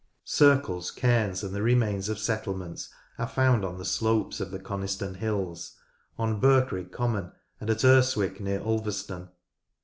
Circles, cairns, and the remains of settlements are found on the slopes of the Coniston Hills, on Birkrigg Common, and at Urswick near Ulverston.